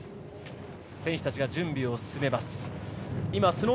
選手たちが準備を進めます。